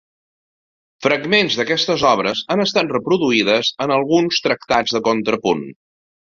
Fragments d'aquestes obres han estat reproduïdes en alguns tractats de contrapunt.